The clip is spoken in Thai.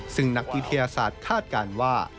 ซึ่งนักวิทยาศาสตร์คาดการณ์ว่า